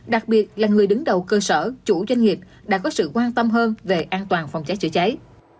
đặc biệt là người đứng đầu cơ sở chủ doanh nghiệp đã có sự quan tâm hơn về an toàn phòng cháy chữa cháy